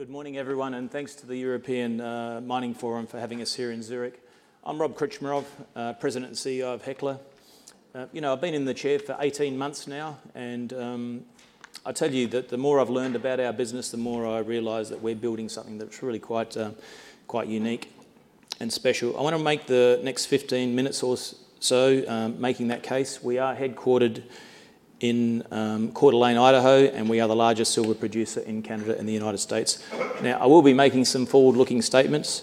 Good morning, everyone, and thanks to the European Mining Forum for having us here in Zurich. I'm Rob Krcmarov, President and CEO of Hecla. I've been in the chair for 18 months now, and I tell you that the more I've learned about our business, the more I realize that we're building something that's really quite unique and special. I want to make the next 15 minutes or so making that case. We are headquartered in Coeur d'Alene, Idaho, and we are the largest silver producer in Canada and the United States. Now, I will be making some forward-looking statements.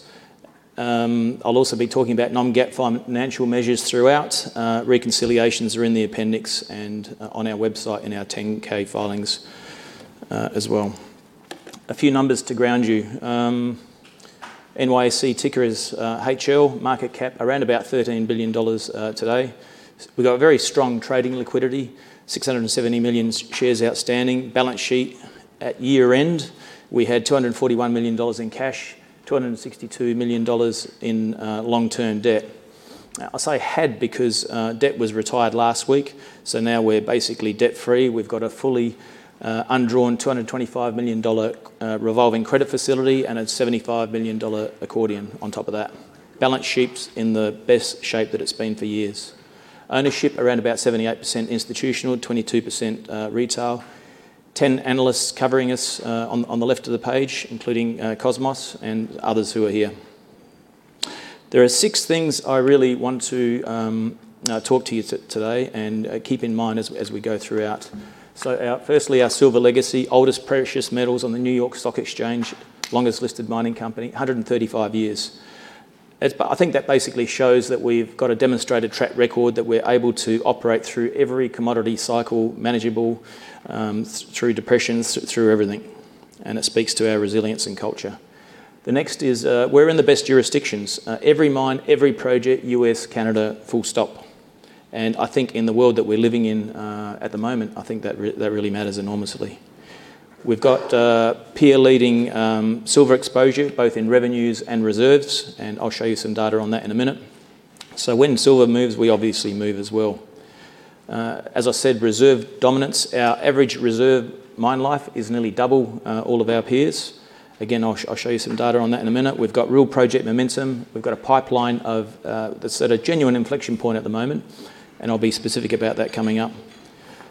I'll also be talking about non-GAAP financial measures throughout. Reconciliations are in the appendix and on our website in our 10-K filings as well. A few numbers to ground you. NYSE ticker is HL. Market cap, around about $13 billion today. We've got very strong trading liquidity, 670 million shares outstanding. Balance sheet, at year-end, we had $241 million in cash, $262 million in long-term debt. I say had because debt was retired last week, so now we're basically debt-free. We've got a fully undrawn $225 million revolving credit facility and a $75 million accordion on top of that. Balance sheet's in the best shape that it's been for years. Ownership, around about 78% institutional, 22% retail. Ten analysts covering us on the left of the page, including Cosmos and others who are here. There are six things I really want to talk to you today, and keep in mind as we go throughout. Firstly, our silver legacy. Oldest precious metals on the New York Stock Exchange. Longest listed mining company, 135 years. I think that basically shows that we've got a demonstrated track record, that we're able to operate through every commodity cycle imaginable, through depressions, through everything, and it speaks to our resilience and culture. The next is we're in the best jurisdictions. Every mine, every project, U.S., Canada, full stop. I think in the world that we're living in at the moment, I think that really matters enormously. We've got peer-leading silver exposure, both in revenues and reserves, and I'll show you some data on that in a minute. When silver moves, we obviously move as well. As I said, reserve dominance. Our average reserve mine life is nearly double all of our peers. Again, I'll show you some data on that in a minute. We've got real project momentum. We've got a pipeline that's at a genuine inflection point at the moment, and I'll be specific about that coming up.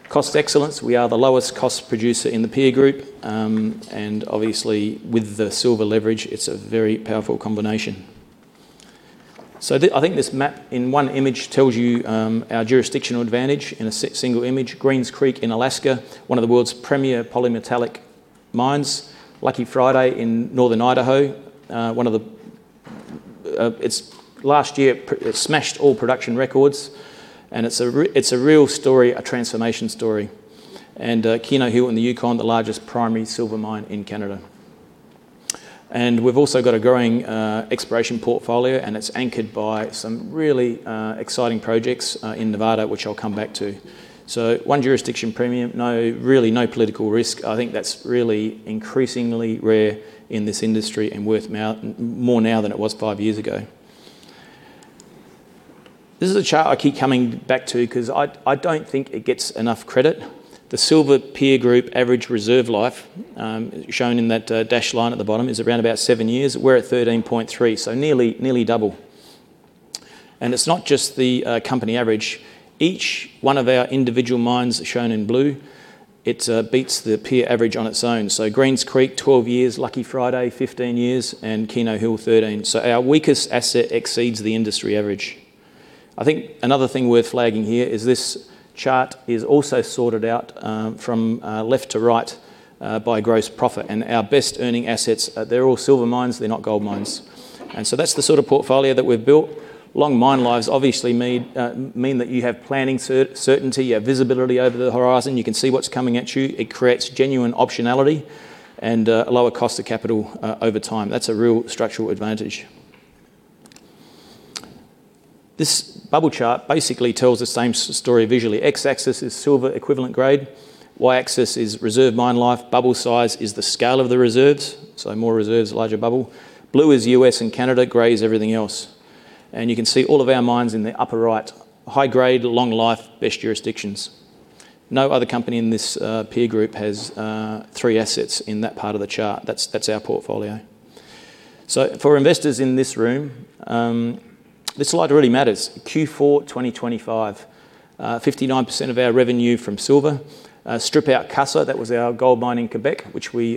Cost excellence. We are the lowest cost producer in the peer group, and obviously with the silver leverage, it's a very powerful combination. I think this map in one image tells you our jurisdictional advantage in a single image. Greens Creek in Alaska, one of the world's premier polymetallic mines. Lucky Friday in northern Idaho. Last year, it smashed all production records, and it's a real story, a transformation story. Keno Hill in the Yukon, the largest primary silver mine in Canada. We've also got a growing exploration portfolio, and it's anchored by some really exciting projects in Nevada, which I'll come back to. One jurisdiction premium, really no political risk. I think that's really increasingly rare in this industry and worth more now than it was five years ago. This is a chart I keep coming back to because I don't think it gets enough credit. The silver peer group average reserve life, shown in that dashed line at the bottom, is around about seven years. We're at 13.3, so nearly double. It's not just the company average. Each one of our individual mines shown in blue, it beats the peer average on its own. Greens Creek, 12 years. Lucky Friday, 15 years. Keno Hill, 13. Our weakest asset exceeds the industry average. I think another thing worth flagging here is this chart is also sorted out from left to right by gross profit. Our best earning assets, they're all silver mines, they're not gold mines. That's the sort of portfolio that we've built. Long mine lives obviously mean that you have planning certainty, you have visibility over the horizon. You can see what's coming at you. It creates genuine optionality and a lower cost of capital over time. That's a real structural advantage. This bubble chart basically tells the same story visually. X-axis is silver equivalent grade. Y-axis is reserve mine life. Bubble size is the scale of the reserves. More reserves, larger bubble. Blue is U.S. and Canada. Gray is everything else. You can see all of our mines in the upper right, high grade, long life, best jurisdictions. No other company in this peer group has three assets in that part of the chart. That's our portfolio. For investors in this room, this slide really matters. Q4 2025, 59% of our revenue from silver. Strip out Casa, that was our gold mine in Quebec, which we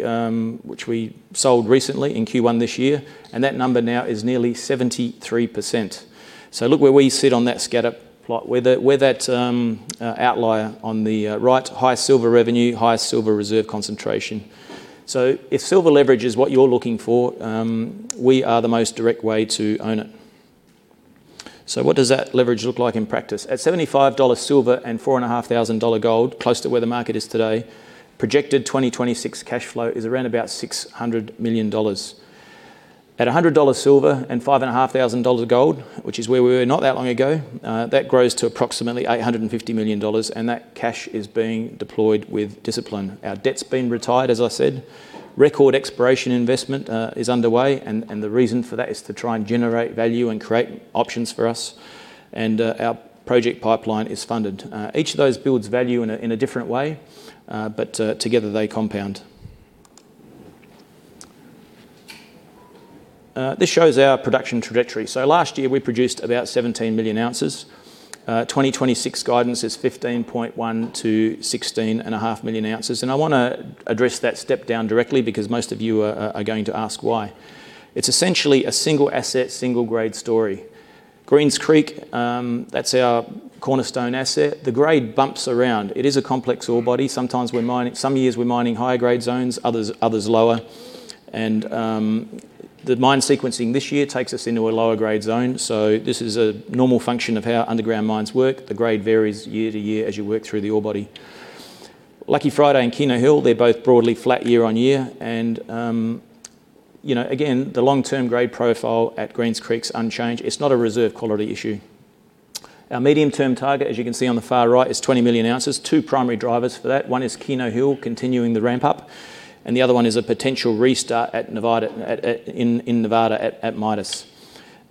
sold recently in Q1 this year, and that number now is nearly 73%. Look where we sit on that scatter plot. We're that outlier on the right. High silver revenue, high silver reserve concentration. If silver leverage is what you're looking for, we are the most direct way to own it. What does that leverage look like in practice? At $75 silver and $4,500 gold, close to where the market is today, projected 2026 cash flow is around about $600 million. At $100 silver and $5,500 gold, which is where we were not that long ago, that grows to approximately $850 million, and that cash is being deployed with discipline. Our debt's been retired, as I said. Record exploration investment is underway, and the reason for that is to try and generate value and create options for us. Our project pipeline is funded. Each of those builds value in a different way, but together they compound. This shows our production trajectory. Last year, we produced about 17 million ounces. 2026 guidance is 15.1 million ounces-16.5 million ounces. I want to address that step down directly because most of you are going to ask why. It's essentially a single asset, single grade story. Greens Creek, that's our cornerstone asset. The grade bumps around. It is a complex ore body. Some years we're mining higher grade zones, others lower. The mine sequencing this year takes us into a lower grade zone. This is a normal function of how underground mines work. The grade varies year-to-year as you work through the ore body. Lucky Friday and Keno Hill, they're both broadly flat year-over-year. Again, the long-term grade profile at Greens Creek is unchanged. It's not a reserve quality issue. Our medium-term target, as you can see on the far right, is 20 million ounces. Two primary drivers for that. One is Keno Hill continuing the ramp-up, and the other one is a potential restart in Nevada at Midas.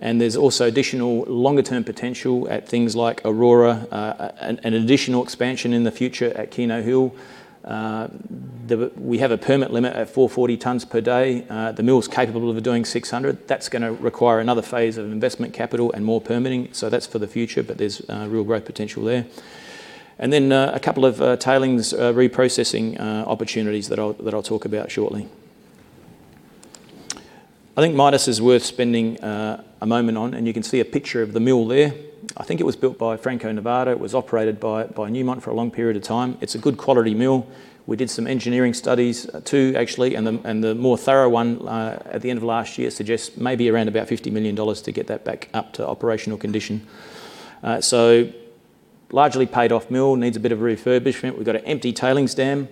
There's also additional longer-term potential at things like Aurora, an additional expansion in the future at Keno Hill. We have a permit limit at 440 tons per day. The mill is capable of doing 600. That's going to require another phase of investment capital and more permitting. That's for the future, but there's real growth potential there. A couple of tailings reprocessing opportunities that I'll talk about shortly. I think Midas is worth spending a moment on, and you can see a picture of the mill there. I think it was built by Franco-Nevada. It was operated by Newmont for a long period of time. It's a good quality mill. We did some engineering studies, two actually, and the more thorough one at the end of last year suggests maybe around about $50 million to get that back up to operational condition. Largely paid off mill, needs a bit of refurbishment. We've got an empty tailings dam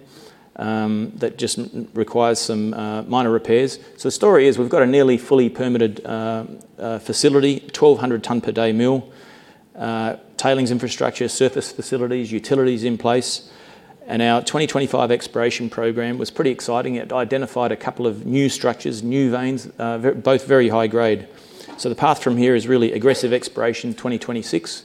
that just requires some minor repairs. The story is we've got a nearly fully permitted facility, 1,200 ton per day mill, tailings infrastructure, surface facilities, utilities in place. Our 2025 exploration program was pretty exciting. It identified a couple of new structures, new veins, both very high grade. The path from here is really aggressive exploration 2026.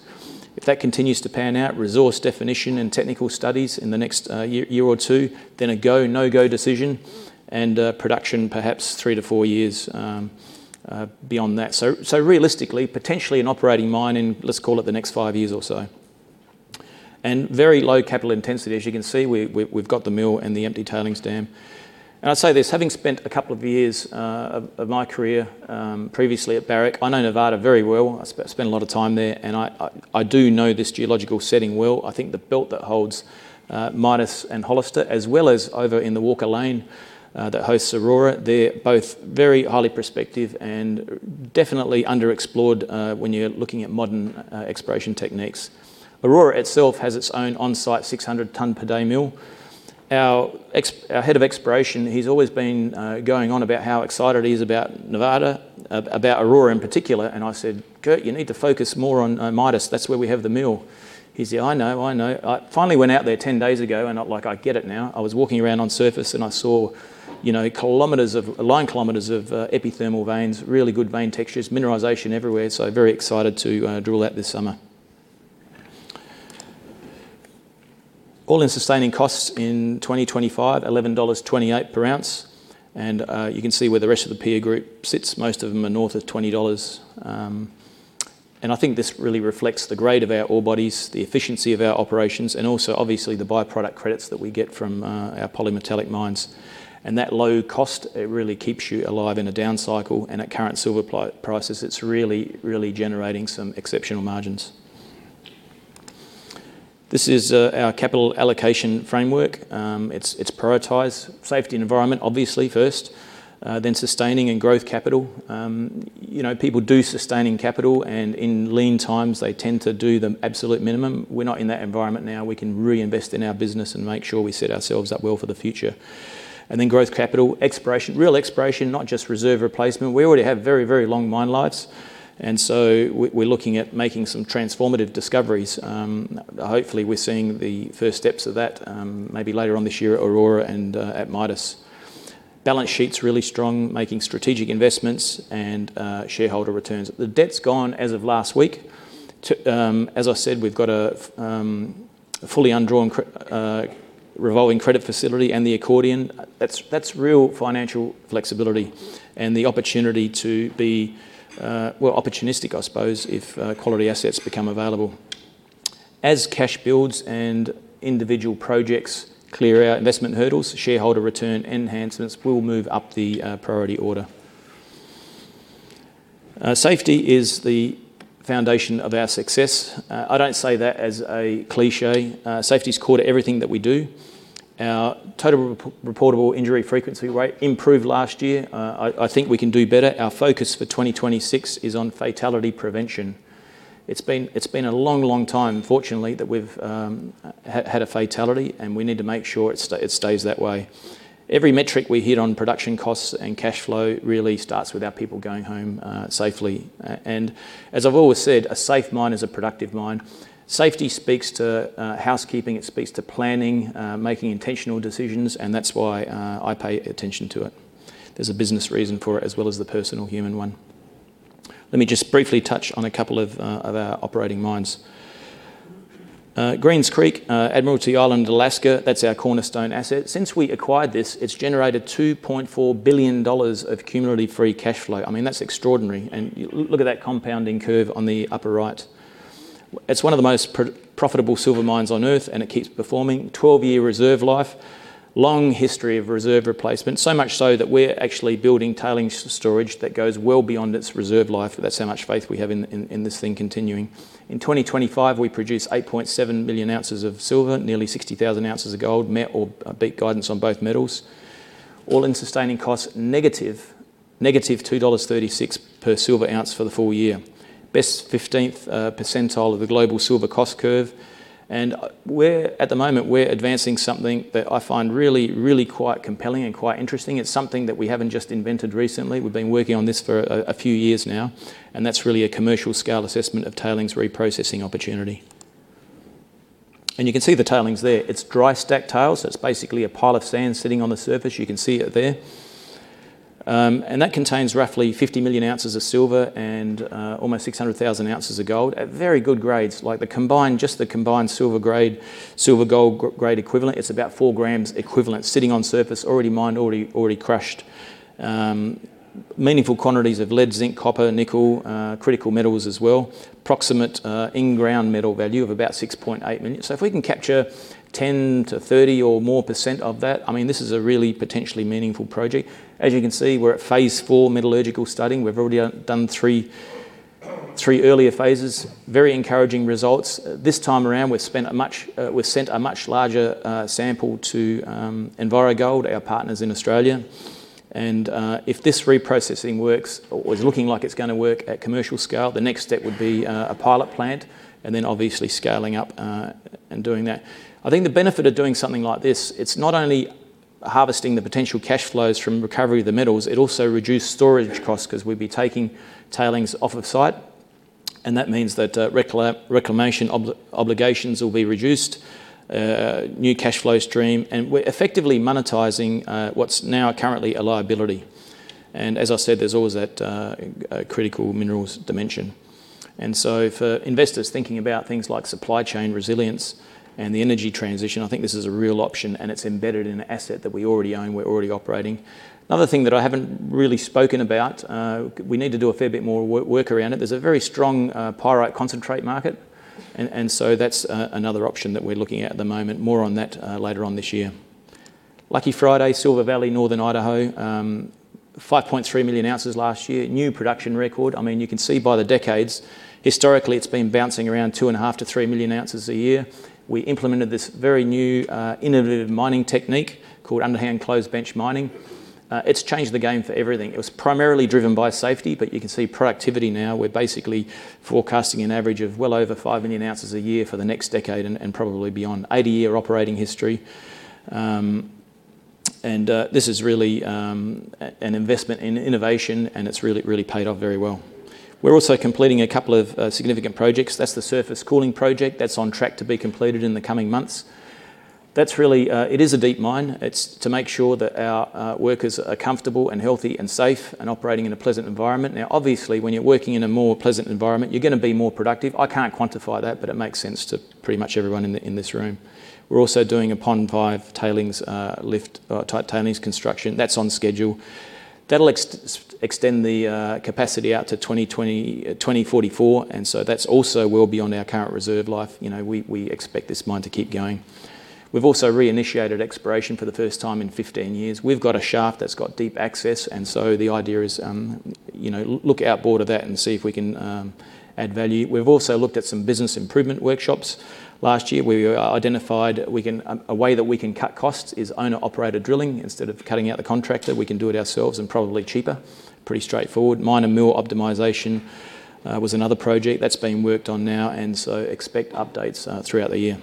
If that continues to pan out, resource definition and technical studies in the next year or two, then a go, no-go decision and production perhaps 3 years-4 years beyond that. Realistically, potentially an operating mine in, let's call it, the next five years or so. Very low capital intensity. As you can see, we've got the mill and the empty tailings dam. I'd say this, having spent a couple of years of my career previously at Barrick, I know Nevada very well. I spent a lot of time there, and I do know this geological setting well. I think the belt that holds Midas and Hollister, as well as over in the Walker Lane that hosts Aurora, they're both very highly prospective and definitely underexplored when you're looking at modern exploration techniques. Aurora itself has its own on-site 600 tons per day mill. Our head of exploration, he's always been going on about how excited he is about Nevada, about Aurora in particular. I said, "Kurt, you need to focus more on Midas. That's where we have the mill." He said, "I know, I know." I finally went out there 10 days ago, and like I get it now. I was walking around on surface, and I saw line kilometers of epithermal veins, really good vein textures, mineralization everywhere. Very excited to drill that this summer. All-in sustaining costs in 2025, $11.28 per ounce. You can see where the rest of the peer group sits. Most of them are north of $20. I think this really reflects the grade of our ore bodies, the efficiency of our operations, and also obviously the byproduct credits that we get from our polymetallic mines. That low cost, it really keeps you alive in a down cycle, and at current silver prices, it's really generating some exceptional margins. This is our capital allocation framework. It's prioritize Safety and Environment, obviously first, then Sustaining and Growth Capital. People do Sustaining Capital, and in lean times, they tend to do the absolute minimum. We're not in that environment now. We can reinvest in our business and make sure we set ourselves up well for the future. Growth Capital, exploration, real exploration, not just Reserve Replacement. We already have very long mine lives. We're looking at making some transformative discoveries. Hopefully, we're seeing the first steps of that maybe later on this year at Aurora and at Midas. Balance Sheet's really strong, making strategic investments and Shareholder Returns. The debt's gone as of last week. As I said, we've got a fully undrawn revolving credit facility and the accordion. That's real financial flexibility and the opportunity to be, well, opportunistic, I suppose, if quality assets become available. As cash builds and individual projects clear our investment hurdles, shareholder return enhancements will move up the priority order. Safety is the foundation of our success. I don't say that as a cliché. Safety is core to everything that we do. Our Total Reportable Injury Frequency Rate improved last year. I think we can do better. Our focus for 2026 is on fatality prevention. It's been a long, long time, fortunately, that we've had a fatality, and we need to make sure it stays that way. Every metric we hit on production costs and cash flow really starts with our people going home safely. As I've always said, a safe mine is a productive mine. Safety speaks to housekeeping. It speaks to planning, making intentional decisions, and that's why I pay attention to it. There's a business reason for it as well as the personal human one. Let me just briefly touch on a couple of our operating mines. Greens Creek, Admiralty Island, Alaska, that's our cornerstone asset. Since we acquired this, it's generated $2.4 billion of cumulative free cash flow. That's extraordinary. Look at that compounding curve on the upper right. It's one of the most profitable silver mines on Earth, and it keeps performing. 12-year reserve life, long history of reserve replacement, so much so that we're actually building tailing storage that goes well beyond its reserve life. That's how much faith we have in this thing continuing. In 2025, we produced 8.7 million ounces of silver, nearly 60,000 ounces of gold, met or beat guidance on both metals. All-in sustaining costs, -$2.36 per silver ounce for the full year. Best 15th percentile of the global silver cost curve. At the moment, we're advancing something that I find really quite compelling and quite interesting. It's something that we haven't just invented recently. We've been working on this for a few years now, and that's really a commercial scale assessment of tailings reprocessing opportunity. You can see the tailings there. It's dry stack tailings, so it's basically a pile of sand sitting on the surface. You can see it there. That contains roughly 50 million ounces of silver and almost 600,000 ounces of gold at very good grades. Just the combined silver grade, silver-gold grade equivalent, it's about 4g equivalent sitting on surface, already mined, already crushed. Meaningful quantities of lead, zinc, copper, nickel, critical metals as well. Approximate in-ground metal value of about $6.8 million. If we can capture 10%-30% or more of that, this is a really potentially meaningful project. As you can see, we're at phase IV metallurgical studying. We've already done three earlier phases. Very encouraging results. This time around, we've sent a much larger sample to EnviroGold, our partners in Australia. If this reprocessing works, or is looking like it's going to work at commercial scale, the next step would be a pilot plant, and then obviously scaling up and doing that. I think the benefit of doing something like this, it's not only harvesting the potential cash flows from recovery of the metals, it also reduced storage costs because we'd be taking tailings off of site, and that means that reclamation obligations will be reduced. New cash flow stream. We're effectively monetizing what's now currently a liability. As I said, there's always that critical minerals dimension. For investors thinking about things like supply chain resilience and the energy transition, I think this is a real option, and it's embedded in an asset that we already own, we're already operating. Another thing that I haven't really spoken about, we need to do a fair bit more work around it. There's a very strong pyrite concentrate market, and so that's another option that we're looking at at the moment. More on that later on this year. Lucky Friday, Silver Valley, Northern Idaho. 5.3 million ounces last year. New production record. You can see by the decades, historically, it's been bouncing around 2.5 million-3 million ounces a year. We implemented this very new, innovative mining technique called Underhand Closed Bench mining. It's changed the game for everything. It was primarily driven by safety, but you can see productivity now. We're basically forecasting an average of well over 5 million ounces a year for the next decade and probably beyond 80-year operating history. This is really an investment in innovation, and it's really paid off very well. We're also completing a couple of significant projects. That's the surface cooling project. That's on track to be completed in the coming months. It is a deep mine. It's to make sure that our workers are comfortable and healthy and safe and operating in a pleasant environment. Now, obviously, when you're working in a more pleasant environment, you're going to be more productive. I can't quantify that, but it makes sense to pretty much everyone in this room. We're also doing a pond five tailings lift, tailings construction. That's on schedule. That'll extend the capacity out to 2044, and so that's also well beyond our current reserve life. We expect this mine to keep going. We've also reinitiated exploration for the first time in 15 years. We've got a shaft that's got deep access, and so the idea is, look outboard of that and see if we can add value. We've also looked at some business improvement workshops. Last year, we identified a way that we can cut costs is owner-operated drilling. Instead of cutting out the contractor, we can do it ourselves and probably cheaper. Pretty straightforward. Mine and mill optimization was another project. That's being worked on now, and so expect updates throughout the year.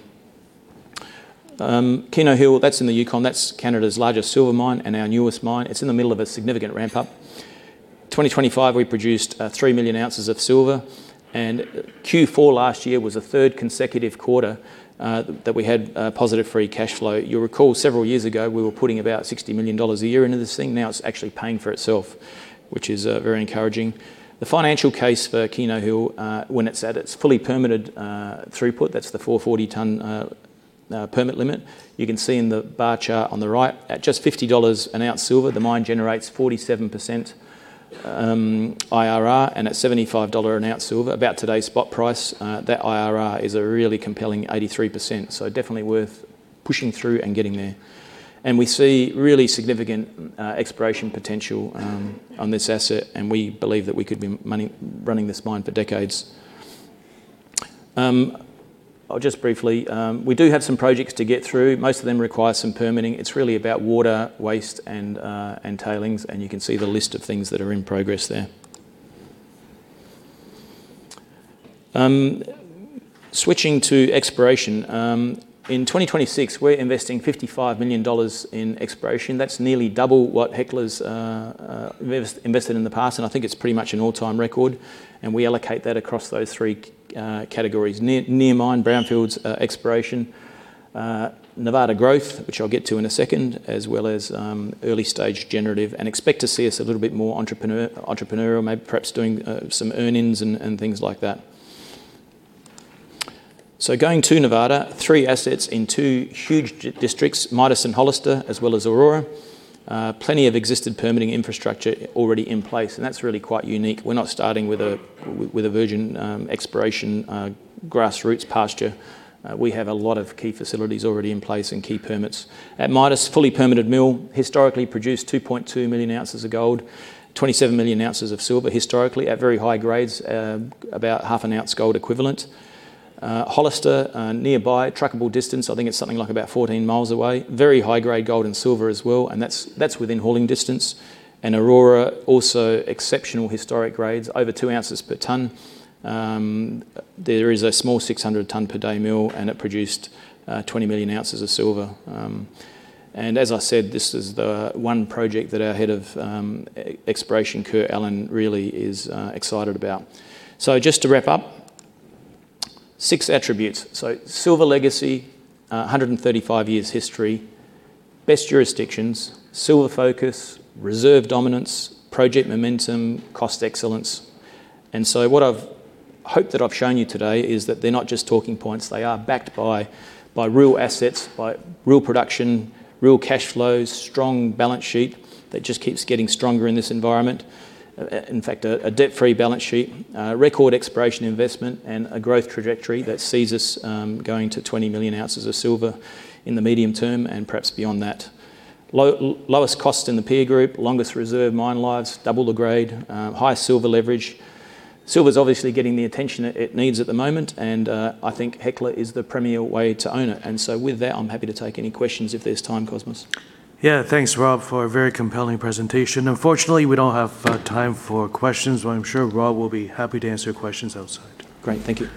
Keno Hill, that's in the Yukon. That's Canada's largest silver mine and our newest mine. It's in the middle of a significant ramp up. 2025, we produced 3 million ounces of silver, and Q4 last year was the third consecutive quarter that we had positive free cash flow. You'll recall several years ago, we were putting about $60 million a year into this thing. Now it's actually paying for itself, which is very encouraging. The financial case for Keno Hill, when it's at its fully permitted throughput, that's the 440-ton permit limit. You can see in the bar chart on the right, at just $50 an ounce silver, the mine generates 47% IRR, and at $75 an ounce silver, about today's spot price, that IRR is a really compelling 83%. Definitely worth pushing through and getting there. We see really significant exploration potential on this asset, and we believe that we could be running this mine for decades. I'll just briefly- we do have some projects to get through. Most of them require some permitting. It's really about water, waste, and tailings, and you can see the list of things that are in progress there. Switching to exploration. In 2026, we're investing $55 million in exploration. That's nearly double what Hecla's invested in the past, and I think it's pretty much an all-time record, and we allocate that across those three categories, near mine, brownfields, exploration. Nevada growth, which I'll get to in a second, as well as early-stage generative, and expect to see us a little bit more entrepreneurial, maybe perhaps doing some earn-ins and things like that. Going to Nevada. Three assets in two huge districts, Midas and Hollister, as well as Aurora. Plenty of existing permitting infrastructure already in place, and that's really quite unique. We're not starting with a virgin exploration grassroots pasture. We have a lot of key facilities already in place and key permits. At Midas, fully permitted mill, historically produced 2.2 million ounces of gold, 27 million ounces of silver historically at very high grades, about half an ounce gold equivalent. Hollister, nearby, truckable distance. I think it's something like about 14 mi away. Very high grade gold and silver as well, and that's within hauling distance. Aurora, also exceptional historic grades, over two ounces per ton. There is a small 600 ton per day mill, and it produced 20 million ounces of silver. As I said, this is the one project that our head of exploration, Kurt Allen, really is excited about. Just to wrap up. Six attributes. Silver legacy, 135 years history, best jurisdictions, silver focus, reserve dominance, project momentum, cost excellence. What I've hoped that I've shown you today is that they're not just talking points. They are backed by real assets, by real production, real cash flows, strong balance sheet that just keeps getting stronger in this environment. In fact, a debt-free balance sheet. Record exploration investment and a growth trajectory that sees us going to 20 million ounces of silver in the medium term and perhaps beyond that. Lowest cost in the peer group, longest reserve mine lives, double the grade. High silver leverage. Silver's obviously getting the attention it needs at the moment, and I think Hecla is the premier way to own it. With that, I'm happy to take any questions if there's time, Cosmos. Yeah. Thanks, Rob, for a very compelling presentation. Unfortunately, we don't have time for questions, but I'm sure Rob will be happy to answer questions outside. Great. Thank you